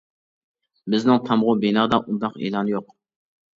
بىزنىڭ تامغۇ بىنادا، ئۇنداق ئېلان يوق.